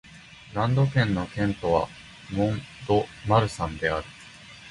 ランド県の県都はモン＝ド＝マルサンである